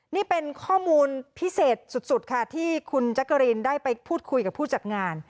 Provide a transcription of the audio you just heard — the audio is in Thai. นี่เป็นข้อมูลพิเศษสุดค่ะที่คุณแจ๊กกะรีนได้ไปพูดคุยกับผู้จัดงาน